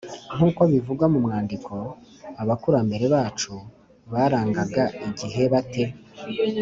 nk’uko bivugwa mu mwandiko, abakurambere bacu barangaga igihe bate?